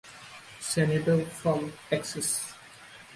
Senator from Texas.